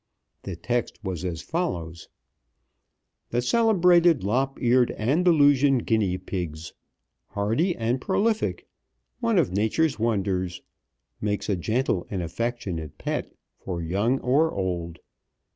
The text was as follows: "The Celebrated Lop eared Andalusian Guinea pigs! Hardy and prolific! One of nature's wonders! Makes a gentle and affectionate pet. For young or old.